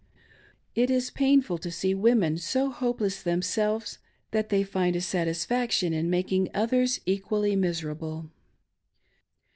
It is painful to see women so hopeless themselves that they find a satisfaction in making others equally miserable.